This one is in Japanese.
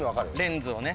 レンズをね。